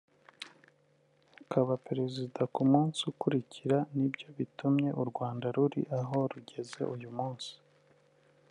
ukaba Perezida ku munsi ukurikira’ nibyo bitumye u Rwanda ruri aho rugeze uyu munsi